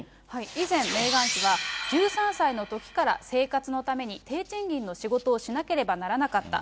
以前、メーガン妃は、１３歳のときから生活のために低賃金の仕事をしなければならなかった。